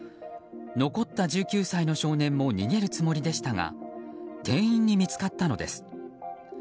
残った１９歳の少年も逃げるつもりでしたが店員に見つかったのです。